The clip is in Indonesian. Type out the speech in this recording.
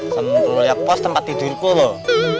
tentu liat pos tempat tidurku loh